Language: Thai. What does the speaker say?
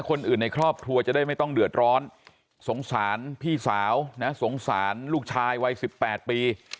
คนอื่นในครอบครัวจะได้ไม่ต้องเดือดร้อนสงสารพี่สาวนะสงสารลูกชายวัย๑๘ปี